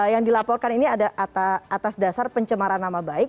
yang dilaporkan ini ada atas dasar pencemaran nama baik